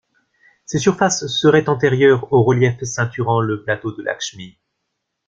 Ses surfaces seraient antérieures aux reliefs ceinturant le plateau de Lakshmi.